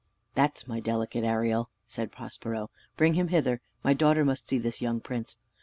"That's my delicate Ariel," said Prospero. "Bring him hither: my daughter must see this young prince.